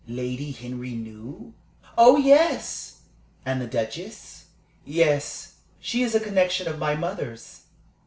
"Lady Henry knew?" "Oh yes!" "And the Duchess?" "Yes. She is a connection of my mother's."